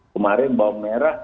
kemarin bawang merah